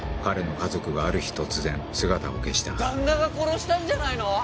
彼の家族がある日突然姿を消した旦那が殺したんじゃないの？